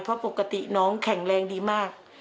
เพราะปกติน้องแข็งแรงดีมาก